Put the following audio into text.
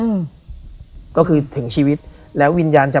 อืมก็คือถึงชีวิตแล้ววิญญาณจะ